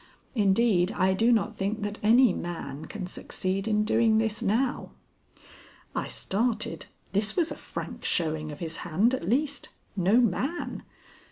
Indeed, I do not think that any man can succeed in doing this now." I started. This was a frank showing of his hand at least. No man!